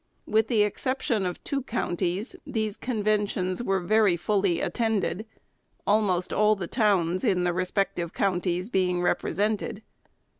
With the exception of two counties, these conventions were very fully attended, almost all the towns in the respective counties being represented.